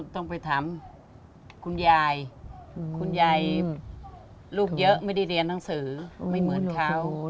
ต้องไปถามคุณยายคุณยายลูกเยอะไม่ได้เรียนหนังสือไม่เหมือนเขา